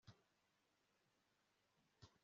Gakwaya yampaye imyaka mike ishize